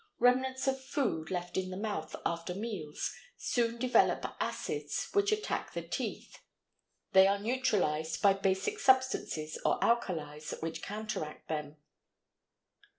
Remnants of food left in the mouth after meals soon develop acids which attack the teeth; they are neutralized by basic substances or alkalies which counteract them.